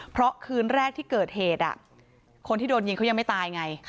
เพราะคืนแรกที่เกิดเหตุคนที่โดนยิงเขายังไม่ตายไง